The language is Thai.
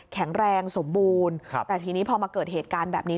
แข็งแรงสมบูรณ์แต่ทีนี้พอมาเกิดเหตุการณ์แบบนี้